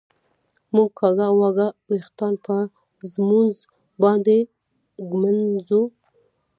مونږ کاږه واږه وېښتان په ږمونځ باندي ږمنځوو